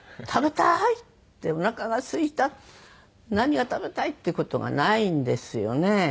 食べたい！っておなかがすいた何が食べたいっていう事がないんですよね。